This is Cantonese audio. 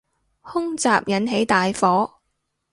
空襲引起大火